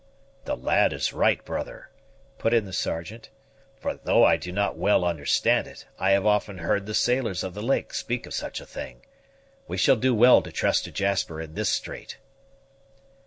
"The lad is right, brother," put in the Sergeant; "for, though I do not well understand it, I have often heard the sailors of the lake speak of such a thing. We shall do well to trust to Jasper in this strait."